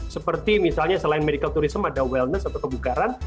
seperti misalnya selain medical tourism ada wellness atau kebugaran